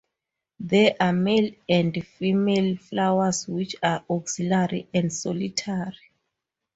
There are male and female flowers which are axillary and solitary.